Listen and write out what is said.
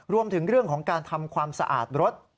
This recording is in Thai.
รวมถึงเรื่องของการทำความสะอาดรถ